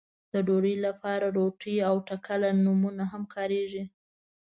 د ډوډۍ لپاره روټۍ او ټکله نومونه هم کاريږي.